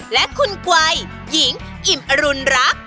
และคุณกวัยหญิงอิ่มอรุณรัก